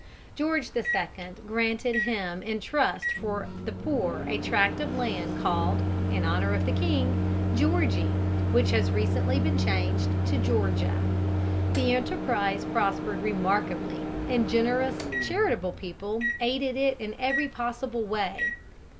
George II. granted him in trust for the poor a tract of land called, in honor of the king, Georgie, which has recently been changed to Georgia. The enterprise prospered remarkably, and generous and charitable people aided it in every possible way.